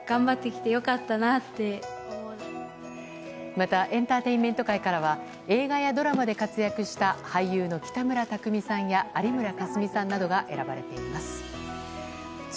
またエンターテインメント界からは映画やドラマで活躍した俳優の北村匠海さんや有村架純さんなどが選ばれています。